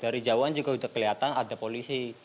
dari jauhan juga udah keliatan ada polisi